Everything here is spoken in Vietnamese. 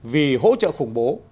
vì hỗ trợ khủng bố